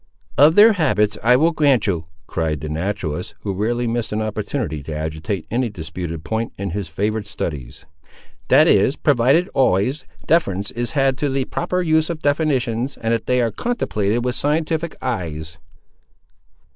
"Of their habits, I will grant you," cried the naturalist, who rarely missed an opportunity to agitate any disputed point in his favourite studies. "That is, provided always, deference is had to the proper use of definitions, and that they are contemplated with scientific eyes."